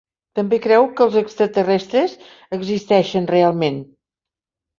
També creu que els extraterrestres existeixen realment.